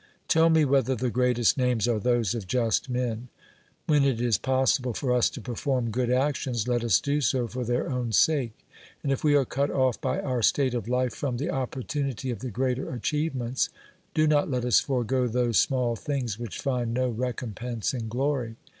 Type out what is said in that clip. Tell me whether the greatest names are those of just men. When it is possible for us to perform good actions, let us do so for their own sake, and if we are cut off by our state of life from the opportunity of the greater achieve ments, do not let us forego those small things which find no recompense in glory.